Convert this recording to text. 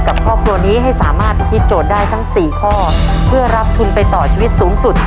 ครอบครัวนี้ให้สามารถพิธีโจทย์ได้ทั้งสี่ข้อเพื่อรับทุนไปต่อชีวิตสูงสุด